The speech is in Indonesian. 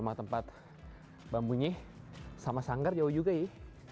sama tempat bambunya sama sanggar jauh juga ya